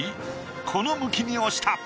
この向きに押した。